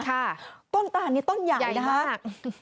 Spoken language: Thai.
ค่ะต้นตานนี่ต้นใหญ่นะคะใหญ่มาก